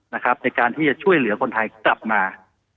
ในการที่จะช่วยเหลือคนไทยกลับมา